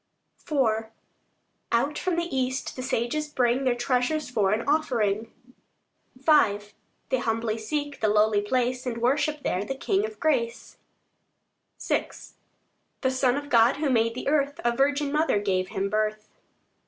IV Out from the east the sages bring Their treasures for an offering. V They humbly seek the lowly place, And worship there the King of grace: VI The Son of God, who made the earth, A virgin mother gave Him birth.